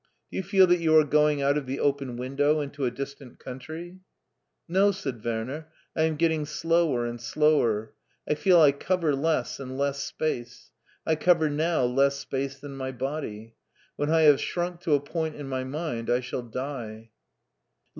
Do you feel that you are going out of the open window into a distant country ?" "No/' said Werner; "I am getting slower and slower. I feel I cover less and less space. I cover now less space than my body. When I have shrunk to a point in my mind I shall die